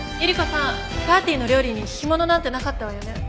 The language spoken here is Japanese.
パーティーの料理に干物なんてなかったわよね？